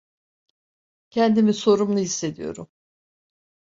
Kendimi sorumlu hissediyorum.